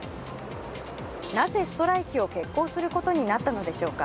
なぜストライキを決行することになったのでしょうか。